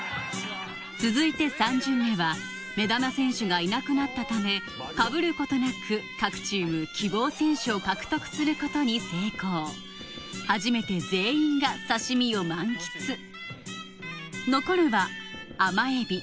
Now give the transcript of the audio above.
続いて三巡目は目玉選手がいなくなったためかぶることなく各チーム希望選手を獲得することに成功初めて全員が刺身を満喫残るは甘エビ